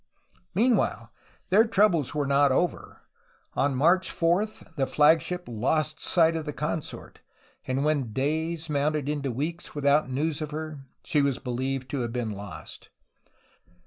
Meanwhile, their troubles were not over. On March 4 the flagship lost sight of the consort, and when days mounted into weeks without news of her, she was believed to have been lost.